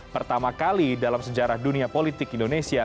pertama kali dalam sejarah dunia politik indonesia